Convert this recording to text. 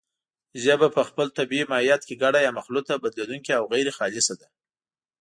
ژبه په خپل طبیعي ماهیت کې ګډه یا مخلوطه، بدلېدونکې او غیرخالصه ده